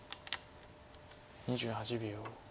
２８秒。